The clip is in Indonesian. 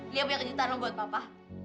lia punya kejutan lo buat papa